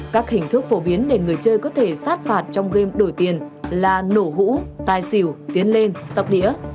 các hình thức phổ biến để người chơi có thể sát phạt trong game đổi tiền là nổ hũ tài xỉu tiến lên sóc đĩa